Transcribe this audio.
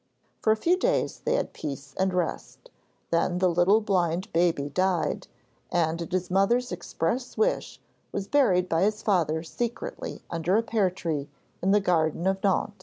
For a few days they had peace and rest; then the little blind baby died, and, at his mother's express wish, was buried by his father secretly under a pear tree in the garden of Nohant.